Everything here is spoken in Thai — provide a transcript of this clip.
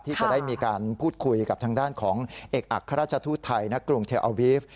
ที่จะได้มีการพูดคุยกับทางด้านของเอกอัครราชทูตไทยณกรุงเทลอาวีฟ